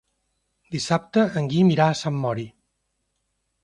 Dissabte en Guim irà a Sant Mori.